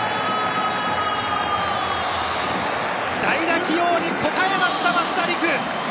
代打起用に応えました、増田陸！